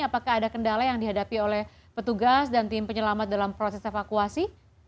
apakah ada kendala yang dihadapi oleh petugas dan tim penyelamat dalam proses evakuasi